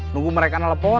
nunggu mereka nelfon